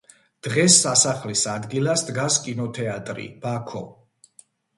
დღეს სასახლის ადგილას დგას კინოთეატრი „ბაქო“.